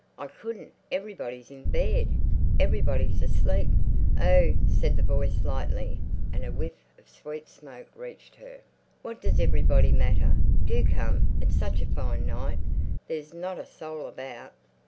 "I couldn't. Everybody's in bed. Everybody's asleep." "Oh," said the voice lightly, and a whiff of sweet smoke reached her. "What does everybody matter? Do come! It's such a fine night. There's not a soul about."